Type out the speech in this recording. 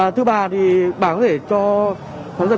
thứ ba thì bà có thể cho